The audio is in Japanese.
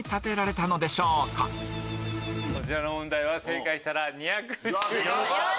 こちらの問題は正解したら２１３ポイント。